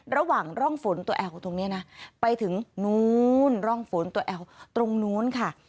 ระหว่างร่องฝนตัวแอลตรงนี้นะไปถึงนู้นร่องฝนตัวแอลตรงนู้นค่ะ